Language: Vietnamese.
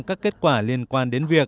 các kết quả liên quan đến việc